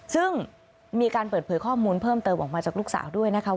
ซึ่งมีการเปิดเผยข้อมูลเพิ่มเติมออกมาจากลูกสาวด้วยนะคะ